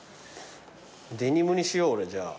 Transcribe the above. デニムにしよう俺じゃあ。